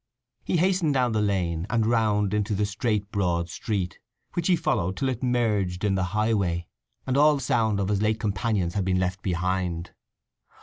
He hastened down the lane and round into the straight broad street, which he followed till it merged in the highway, and all sound of his late companions had been left behind.